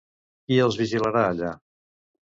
Qui els vigilarà allà?